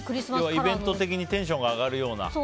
イベント的にテンションが上がるような？